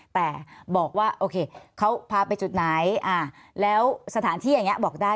แต่บอกว่าโอเคเขาพาไปจุดไหนแล้วสถานที่อย่างนี้บอกได้